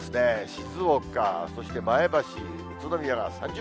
静岡、そして前橋、宇都宮が３０％。